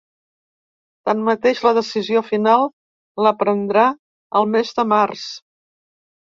Tanmateix, la decisió final la prendrà el mes de març.